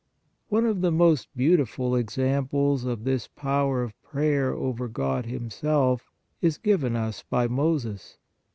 One of the most beautiful examples of this power of prayer over God Himself is given us by Moses.